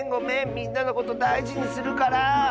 みんなのことだいじにするから！